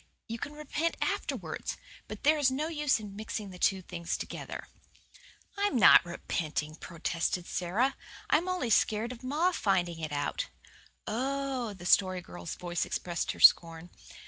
You can repent afterwards, but there is no use in mixing the two things together." "I'm not repenting," protested Sara. "I'm only scared of ma finding it out." "Oh!" The Story Girl's voice expressed her scorn.